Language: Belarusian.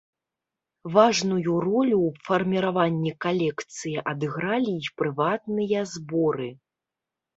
Важную ролю ў фарміраванні калекцыі адыгралі і прыватныя зборы.